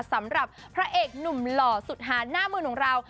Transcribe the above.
สำหรับพระเอกหนุ่มหล่อสุดหาหน้ามืนของเรา